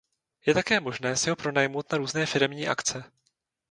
Je také možné si ho pronajmout na různé firemní akce.